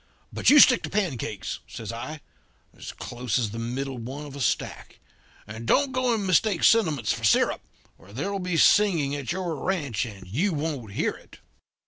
But you stick to pancakes,' says I, 'as close as the middle one of a stack; and don't go and mistake sentiments for syrup, or there'll be singing at your ranch, and you won't hear it.'